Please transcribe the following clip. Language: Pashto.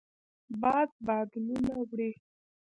باد بادلونه وړي